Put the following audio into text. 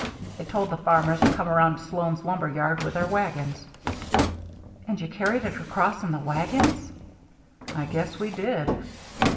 It told the farmers to come around to Sloan's lumber yard with their wagons." "And you carried it across in the wagons?" "I guess we did."